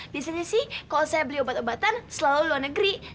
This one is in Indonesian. biasanya sih kalau saya beli obat obatan selalu luar negara ya kan